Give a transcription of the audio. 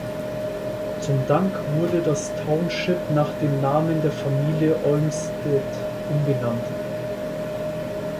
Zum Dank wurde das Township nach dem Namen der Familie Olmstead umbenannt.